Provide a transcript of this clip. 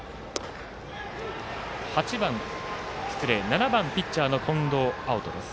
７番ピッチャーの近藤愛斗です。